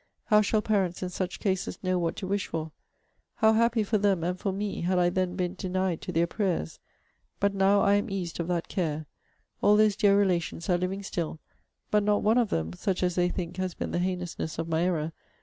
how shall parents in such cases know what to wish for! How happy for them, and for me, had I then been denied to their prayers! But now I am eased of that care. All those dear relations are living still but not one of them (such as they think, has been the heinousness of my error!)